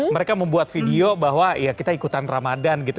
mereka membuat video bahwa ya kita ikutan ramadan gitu